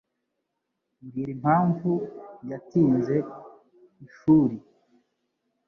Mbwira impamvu yatinze ishuri.